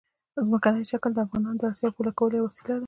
ځمکنی شکل د افغانانو د اړتیاوو د پوره کولو یوه وسیله ده.